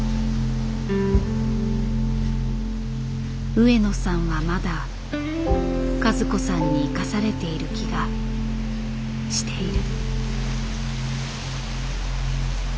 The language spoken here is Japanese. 上野さんはまだ和子さんに生かされている気がしている。